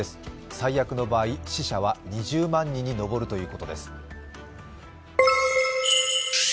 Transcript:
最悪の場合死者は２０万人に上るということです。